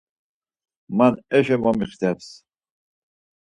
Man eşo momixteps.